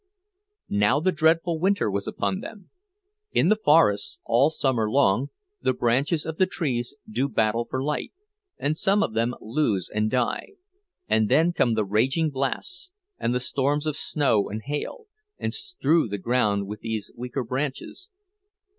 Now the dreadful winter was come upon them. In the forests, all summer long, the branches of the trees do battle for light, and some of them lose and die; and then come the raging blasts, and the storms of snow and hail, and strew the ground with these weaker branches.